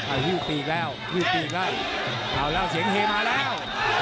เอาฮิ้วปีกแล้วฮิ้วปีกแล้วเอาแล้วเสียงเฮมาแล้ว